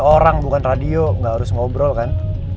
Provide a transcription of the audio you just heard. orang bukan radio gak harus ngobrol kan